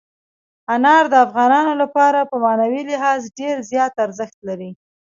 انار د افغانانو لپاره په معنوي لحاظ ډېر زیات ارزښت لري.